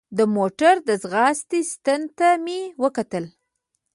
د موټر د ځغاستې ستن ته مې وکتل.